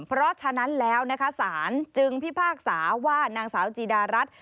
เพราะฉะนั้นแล้วนะคะศาลจึงพิพากษาว่านางสาวจีดารัฐ